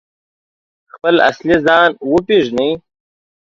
خپل اصلي ځان وپیژني؟